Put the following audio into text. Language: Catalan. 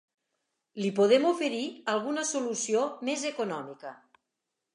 Li podem oferir alguna solució més econòmica.